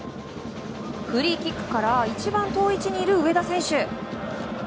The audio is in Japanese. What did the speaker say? フリーキックから一番遠い位置にいる上田選手。